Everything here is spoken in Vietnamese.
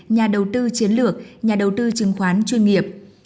nhà đầu tư chiến lược nhà đầu tư chứng khoán chuyên nghiệp